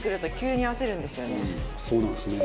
「そうなんですね」